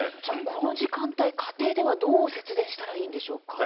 この時間帯家庭ではどう節電したらいいんでしょうか？